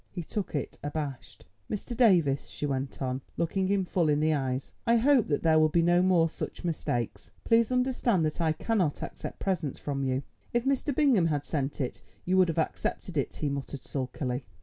He took it, abashed. "Mr. Davies," she went on, looking him full in the eyes, "I hope that there will be no more such mistakes. Please understand that I cannot accept presents from you." "If Mr. Bingham had sent it, you would have accepted it," he muttered sulkily.